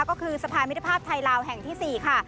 ก็คือสะพานมิตรภาพไทยลาวแห่งที่๔ค่ะ